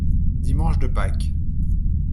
Dimanche de Pâques.